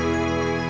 lalu dia nyaman